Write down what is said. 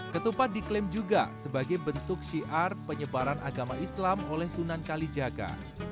ketupat diklaim juga sebagai bentuk syiar penyebaran agama islam oleh sunan kalijaga